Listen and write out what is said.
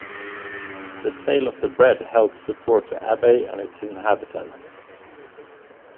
The sale of the bread helps support the abbey and its inhabitants.